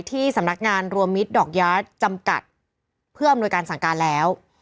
ที่สำนักงานรวมมิตรดอกยาจำกัดเพื่ออำนวยการสั่งการแล้ว